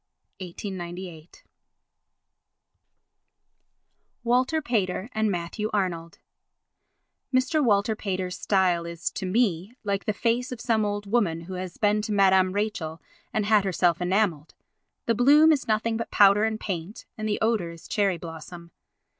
[1898.] Walter Pater and Matthew Arnold Mr. Walter Pater's style is, to me, like the face of some old woman who has been to Madame Rachel and had herself enamelled. The bloom is nothing but powder and paint and the odour is cherry blossom.